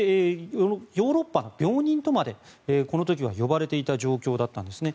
ヨーロッパの病人とまでこの時は呼ばれていた状況だったんですね。